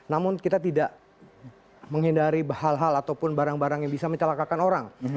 namun kita tidak menghindari hal hal ataupun barang barang yang bisa mencelakakan orang